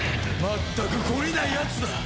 まったく懲りないやつだ！